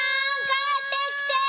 帰ってきて！